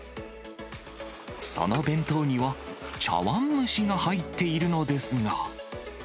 その弁当には茶わん蒸しが入っているのですが。